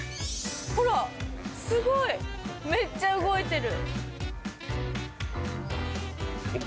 ほらすごいめっちゃ動いてる。